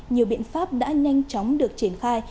nhiều biện pháp đã nhanh chóng được triển khai